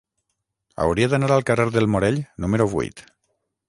Hauria d'anar al carrer del Morell número vuit.